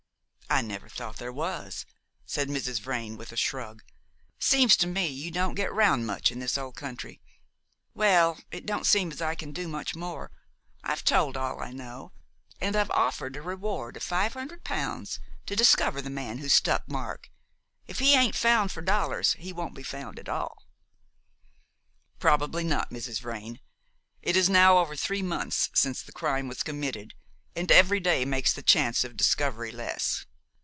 "I never thought there was," said Mrs. Vrain, with a shrug. "Seems to me you don't get round much in this old country. Well, it don't seem as I can do much more. I've told all I know, and I've offered a reward of £500 to discover the man who stuck Mark. If he ain't found for dollars he won't be found at all." "Probably not, Mrs. Vrain. It is now over three months since the crime was committed, and every day makes the chance of discovery less."